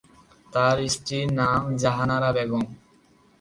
তার স্ত্রীর নাম জাহানারা বেগম।